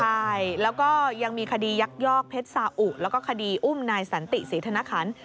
ใช่แล้วก็ยังมีคดียักยอกเพชรสาอุแล้วก็คดีอุ้มนายสันติศรีธนคัน